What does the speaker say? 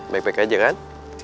backpack aja kan